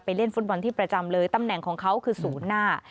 เล่นฟุตบอลที่ประจำเลยตำแหน่งของเขาคือศูนย์หน้า